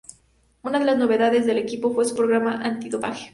Una de las novedades del equipo fue su programa antidopaje.